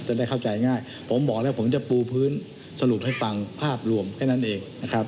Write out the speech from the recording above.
จะได้เข้าใจง่ายผมก็บอกว่าผมจะปูไปสรูปให้ปังภาพรวมแค่นั้นเองนะครับ